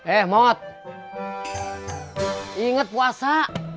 eh mot inget puasa